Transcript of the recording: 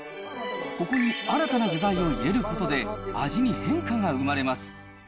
ここに新たな具材を入れることで、味に変化が生まれます。